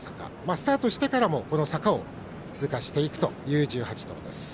スタートしてからも坂を通過していく１８頭です。